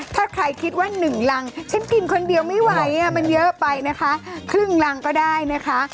ถ้าใครคิดว่า๑รังฉันกินคนเดียวไม่ไหวมันเยอะไปนะคะครึ่งรังก็ได้นะคะ